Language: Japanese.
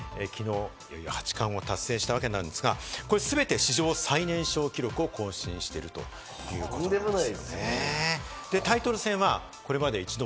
きのう八冠を達成したわけなんですが、全て史上最年少記録を更新しているということなんです。